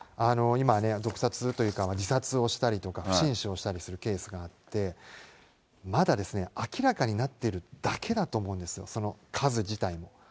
今ね、毒殺というか、自殺をしたりとか、不審死をしたりするケースがあって、まだですね、明らかになっているだけだと思うんですよ、その数自体も。